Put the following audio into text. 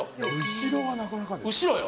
後ろはなかなか後ろよ